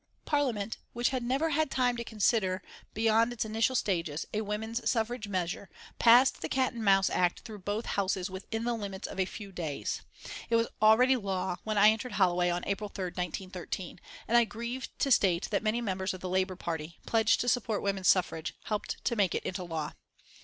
Parliament, which had never had time to consider, beyond its initial stages, a women's suffrage measure, passed the Cat and Mouse Act through both houses within the limits of a few days. It was already law when I entered Holloway on April 3rd, 1913, and I grieve to state that many members of the Labour Party, pledged to support woman suffrage, helped to make it into law.